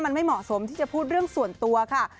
มันไม่เหมาะสมที่จะพูดเรื่องส่วนตัวค่ะ